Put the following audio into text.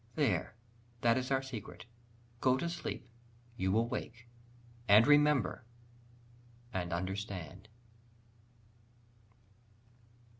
There, that is our secret! go to sleep; You will wake, and remember, and understand.